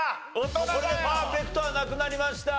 これでパーフェクトはなくなりました。